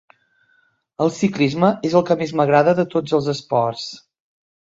El ciclisme és el que més m'agrada de tots els esports.